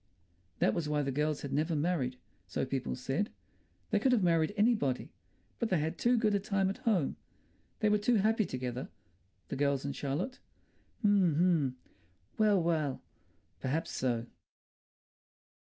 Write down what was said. That was why the girls had never married, so people said. They could have married anybody. But they had too good a time at home. They were too happy together, the girls and Charlotte. H'm, h'm! Well, well. Perhaps so....